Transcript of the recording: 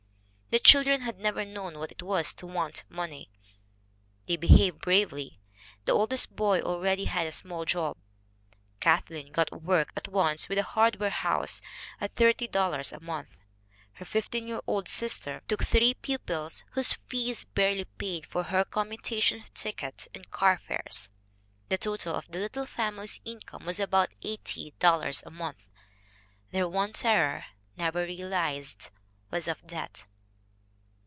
The children had never known what it was to want money. They behaved bravely. The oldest boy already had a small job. Kathleen got work at once with a hardware house at $30 a month. Her 15 year old sister took three pupils "whose fees barely paid for her commutation ticket and carfares. The total of the little family's income was about $80 a month. Their one terror never realized was of debt."